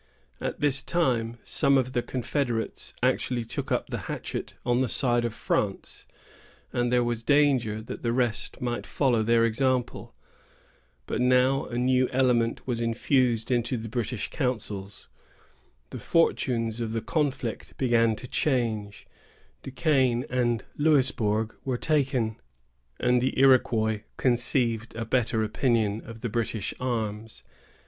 At this time, some of the confederates actually took up the hatchet on the side of France, and there was danger that the rest might follow their example. But now a new element was infused into the British counsels. The fortunes of the conflict began to change. Du Quesne and Louisburg were taken, and the Iroquois conceived a better opinion of the British arms.